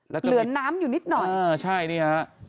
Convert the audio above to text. เหลือน้ำอยู่นิดหน่อยเออใช่นี่ฮะ